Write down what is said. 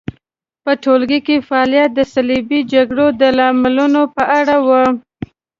په ټولګي کې فعالیت د صلیبي جګړو د لاملونو په اړه و.